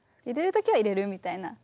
入れるときは入れるみたいな。